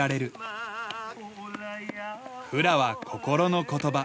フラは心の言葉。